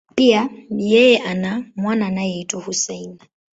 Pia, yeye ana mwana anayeitwa Hussein.